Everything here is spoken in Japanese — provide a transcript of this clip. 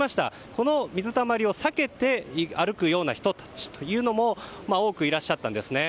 この水たまりを避けて歩くような人たちというのも多くいらっしゃったんです。